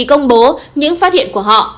công bố những phát hiện của họ